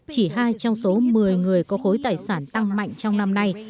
chỉ hai trong số một mươi người có khối tài sản tăng mạnh trong năm nay